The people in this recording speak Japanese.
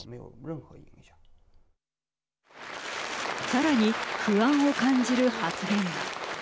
さらに、不安を感じる発言が。